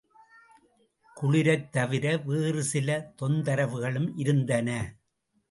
குளிரைத் தவிர வேறு சில தொந்தரவுகளும் இருந்தன.